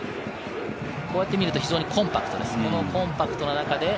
こうして見ると非常にコンパクトです。